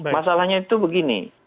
masalahnya itu begini